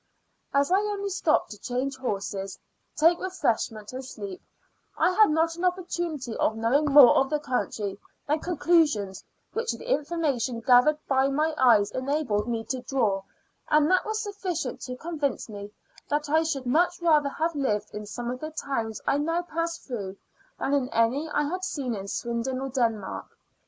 As I only stopped to change horses, take refreshment, and sleep, I had not an opportunity of knowing more of the country than conclusions which the information gathered by my eyes enabled me to draw, and that was sufficient to convince me that I should much rather have lived in some of the towns I now pass through than in any I had seen in Sweden or Denmark.